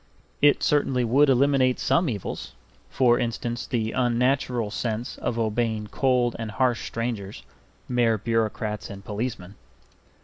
It certainly would eliminate some evils; for instance, the unnatural sense of obeying cold and harsh strangers, mere bureaucrats and policemen.